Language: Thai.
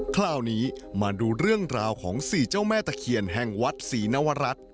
คราวนี้มาดูเรื่องราวของ๔เจ้าแม่ตะเคียนแห่งวัดศรีนวรัฐ